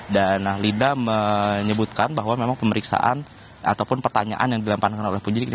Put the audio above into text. dan linda menyebutkan bahwa memang pemeriksaan ataupun pertanyaan yang dilampangkan oleh penyidik ini